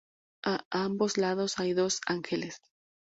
A ambos lados hay dos ángeles.